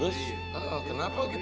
is kalau nanti baru is